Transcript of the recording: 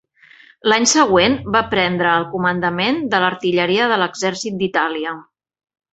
L'any següent, va prendre el comandament de l'artilleria de l'exèrcit d'Itàlia.